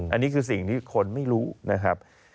อันนี้คือสิ่งที่คนไม่รู้นะครับ